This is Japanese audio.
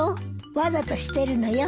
わざとしてるのよ。